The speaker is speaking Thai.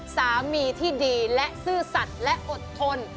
สามีที่ดีและซื่อสัตว์และอดทน